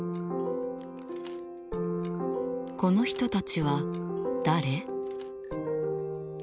この人たちは誰？